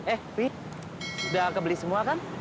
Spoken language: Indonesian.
eh pi sudah kebeli semua kan